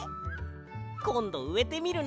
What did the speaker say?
こんどうえてみるな。